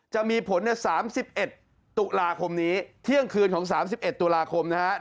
จะมีผลใน๓๑ตุลาคมนี้เที่ยงคืนของ๓๑ตุลาคมนะครับ